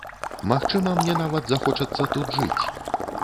Магчыма, мне нават захочацца тут жыць.